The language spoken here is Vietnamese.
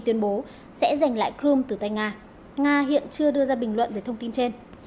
tuyên bố sẽ giành lại crimea từ tay nga nga hiện chưa đưa ra bình luận về thông tin trên